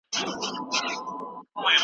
محصلینو په تېر سمستر کې ډېر زیار ویست.